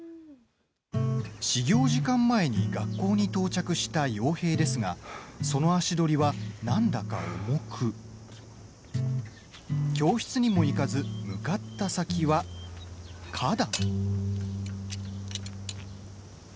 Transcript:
始業時間前に学校に到着した陽平ですがその足取りは何だか重く教室にも行かず向かった先は花壇。